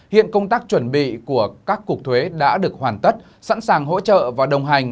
hiện công tác chuẩn bị của các cục thuế đã được hoàn tất sẵn sàng hỗ trợ và đồng hành